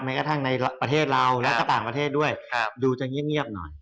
กระทั่งในประเทศเราและก็ต่างประเทศด้วยดูจะเงียบหน่อย